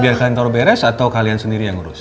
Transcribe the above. biar kantor beres atau kalian sendiri yang urus